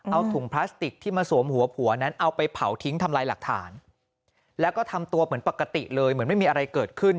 เอาถุงพลาสติกที่มาสวมหัวผัวนั้นเอาไปเผาทิ้งทำลายหลักฐานแล้วก็ทำตัวเหมือนปกติเลยเหมือนไม่มีอะไรเกิดขึ้น